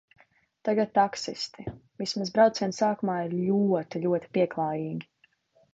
Tagad taksisti, vismaz brauciena sākumā, ir ļoti, ļoti pieklājīgi.